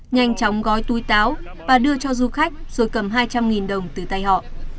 nhanh chóng gói túi táo và đưa cho du khách rồi cầm hai trăm linh đồng từ tay họ